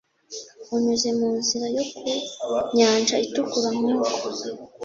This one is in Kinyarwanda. unyuze mu nzira yo ku Nyanja Itukura nk’uko